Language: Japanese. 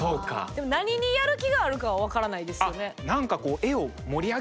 でも何にやる気があるかは分からないですよね。